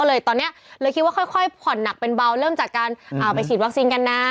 เลยตอนนี้เลยคิดว่าค่อยผ่อนหนักเป็นเบาเริ่มจากการไปฉีดวัคซีนกันนะ